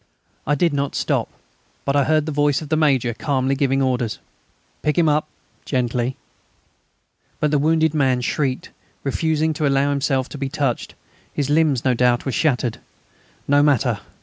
I did not stop, but I heard the voice of the Major calmly giving orders: "Pick him up! Gently...." But the wounded man shrieked, refusing to allow himself to be touched; his limbs, no doubt, were shattered. No matter!